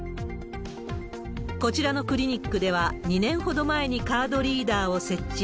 こちらのクリニックでは、２年ほど前にカードリーダーを設置。